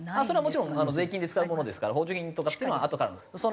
それはもちろん税金で使うものですから補助金とかっていうのはあとから。